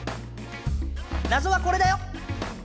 謎はこれだよ！